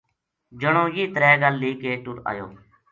جنو یہ ترے گل لے کے ٹُر ایو